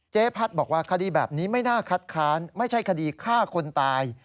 พัฒน์บอกว่าคดีแบบนี้ไม่น่าคัดค้านไม่ใช่คดีฆ่าคนตาย